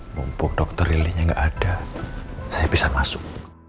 mumpung dr ruli nya gak ada saya bisa masuk